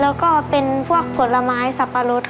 แล้วก็เป็นพวกผลไม้สับปะรด